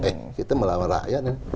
eh kita melawan rakyat